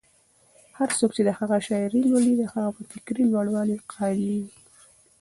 هر څوک چې د هغه شاعري لولي، د هغه په فکري لوړوالي قایلېږي.